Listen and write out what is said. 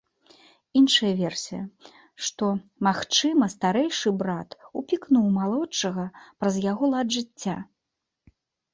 Іншая версія, што, магчыма, старэйшы брат упікнуў малодшага праз яго лад жыцця.